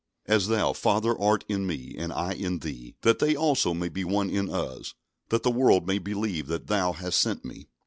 "As Thou, Father, art in Me, and I in Thee; that they also may be one in Us; that the world may believe that Thou hast sent Me."